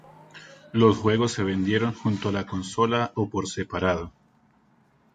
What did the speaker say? Los juegos se vendieron junto a la consola o por separado.